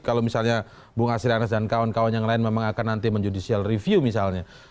kalau misalnya bu ngasiranes dan kawan kawan yang lain memang akan nanti menjudisial review misalnya